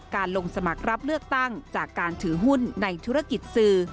ลงสมัครรับเลือกตั้งจากการถือหุ้นในธุรกิจสื่อ